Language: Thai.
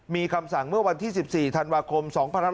มีคำสั่งเมื่อวันที่๑๔ธันวาคม๒๕๖๒